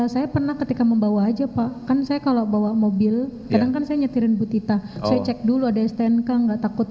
saya pernah ketika membawa aja pak kan saya kalau bawa mobil kadang kan saya nyetirin butita saya cek dulu ada stnk nggak takut